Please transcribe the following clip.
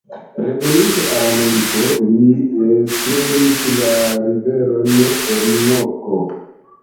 Reveninte al Ameriko li esploris la riveron Orinoko.